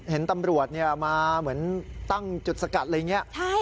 เห็นตำรวจมาเหมือนตั้งจุดสกัดอะไรอย่างนี้